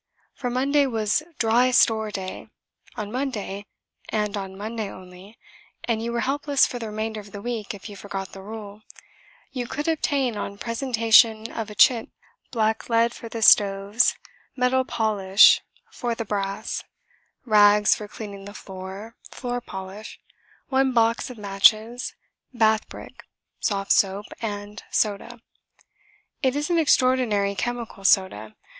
For Monday was "Dry Store" day. On Monday, and on Monday only and you were helpless for the remainder of the week if you forgot the rule you could obtain, on presentation of a chit, blacklead for the stoves, metal polish for the brass, rags for cleaning the floor, floor polish, one box of matches, bath brick, soft soap, and soda. It is an extraordinary chemical, soda.